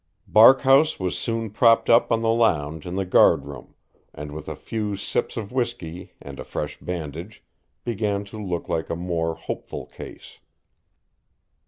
Barkhouse was soon propped up on the lounge in the guard room, and with a few sips of whisky and a fresh bandage began to look like a more hopeful case.